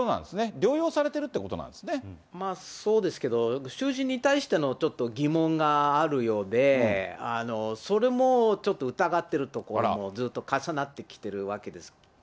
療養されてるっていうところなんまあそうですけど、主治医に対してのちょっと疑問があるようで、それもちょっと疑っているところもずっと重なってきてるわけです